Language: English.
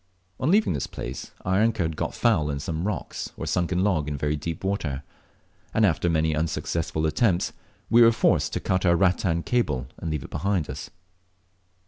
On leaving this place our anchor had got foul in some rock or sunken log in very deep water, and after many unsuccessful attempts, we were forced to cut our rattan cable and leave it behind us.